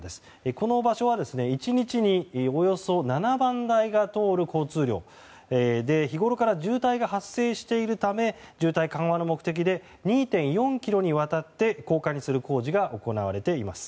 この場所は１日におよそ７万台が通る交通量で日ごろから渋滞が発生しているため渋滞緩和の目的で２．４ｋｍにわたって高架にする工事が行われています。